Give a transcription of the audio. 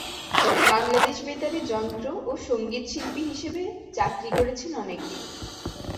বাংলাদেশ বেতারে যন্ত্র ও সঙ্গীতশিল্পী হিসেবে চাকরি করেছেন অনেকদিন।